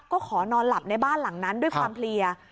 ก็ขอนอนหลับในบ้านหลังนั้นด้วยความเพลีย